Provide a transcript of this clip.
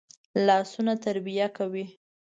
لاسونه تربیه کوي